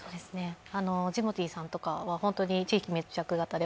ジモティーさんとかは本当に地域密着型で